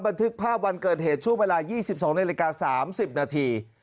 บันทึกภาพวันเกิดเหตุช่วงเวลายี่สิบสองในรายการสามสิบนาที